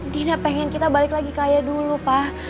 dina pengen kita balik lagi kaya dulu pa